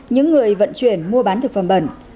những người vận chuyển mua bán thực phẩm bẩn